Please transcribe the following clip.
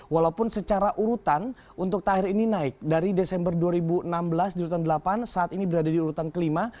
walaupun secara urutan untuk tahir ini naik dari desember dua ribu enam belas di urutan delapan saat ini berada di urutan kelima